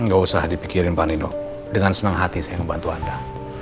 gak usah dipikirin pak nino dengan senang hati saya membantu anda